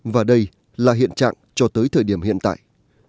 và đây là hiện trạng cho tới thời điểm hiện tại